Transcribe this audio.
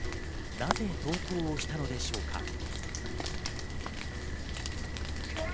なぜ投稿をしたのでしょうか。